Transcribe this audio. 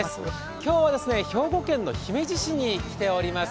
今日は兵庫県姫路市に来ております。